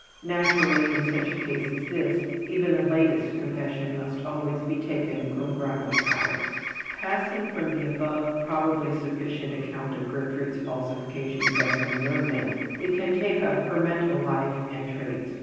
Naturally, in such a case as this, even the latest confession must always be taken cum grano salis. Passing from the above probably sufficient account of Gertrude's falsifications as we knew them, we can take up her mental life and traits.